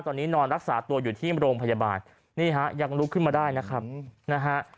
ตอนนี้นอนรักษาตัวอยู่ที่โรงพยาบาลนี่ฮะยังลุกขึ้นมาได้นะครับนะฮะ